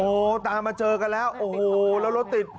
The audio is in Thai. โอ้โหตามมาเจอกันแล้วโอ้โหแล้วรถติด